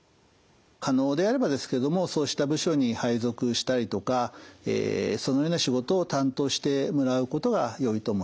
可能であればですけどもそうした部署に配属したりとかそのような仕事を担当してもらうことがよいと思います。